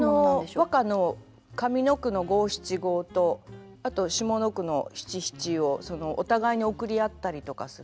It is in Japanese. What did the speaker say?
和歌の上の句の五七五とあと下の句の七七をお互いに送りあったりとかする。